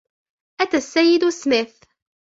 أتى السيد سميث.